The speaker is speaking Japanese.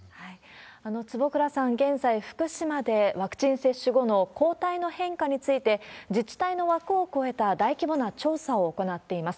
坪倉さん、現在、福島でワクチン接種後の抗体の変化について、自治体の枠を超えた大規模な調査を行っています。